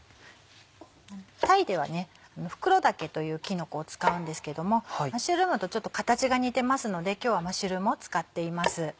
タイではフクロタケというキノコを使うんですけどもマッシュルームとちょっと形が似てますので今日はマッシュルームを使っています。